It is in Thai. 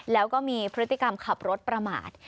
แล้วก็มีพฤติกรรมขับรถประมาท